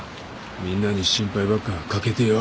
みんなに心配ばっかかけてよ。